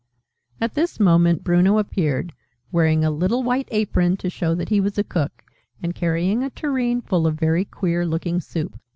At this moment Bruno appeared, wearing a little white apron to show that he was a Cook, and carrying a tureen full of very queer looking soup.